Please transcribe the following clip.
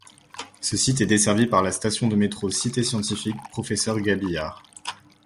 Ce site est desservi par la station de métro Cité Scientifique - Professeur Gabillard.